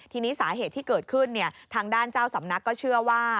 ทีนี้สาเหตุที่เกิดขึ้นทางด้านเจ้าสำนักก็เชื่อว่า